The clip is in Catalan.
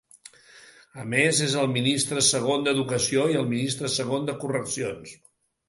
A més, és el Ministre Segon d'Educació i el Ministre Segon de Correccions.